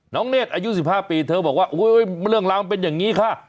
เนธอายุ๑๕ปีเธอบอกว่าเรื่องราวมันเป็นอย่างนี้ค่ะ